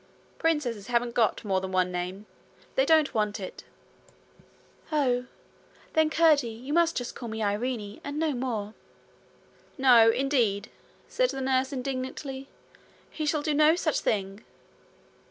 'Princesses haven't got more than one name. They don't want it.' 'Oh, then, Curdie, you must call me just Irene and no more.' 'No, indeed,' said the nurse indignantly. 'He shall do no such thing.'